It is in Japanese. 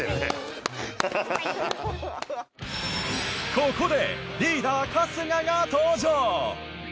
ここでリーダー春日が登場！